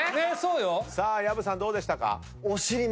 薮さんどうでしたか？